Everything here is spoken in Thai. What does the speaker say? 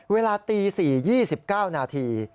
เวลาตี๔ยี่สิบเก้านาที